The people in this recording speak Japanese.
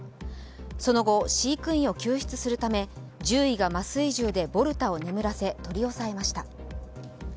その後、飼育員を救出するため獣医が麻酔銃でボルタを眠らせ取り押さえました。